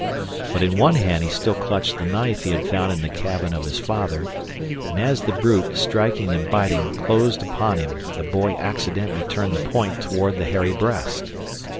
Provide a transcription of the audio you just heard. But in one hand he still clutched the knife he had found in the cabin of his father, and as the brute, striking and biting, closed upon him the boy accidentally turned the point toward the hairy breast.